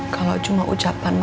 kalau cuma ujapan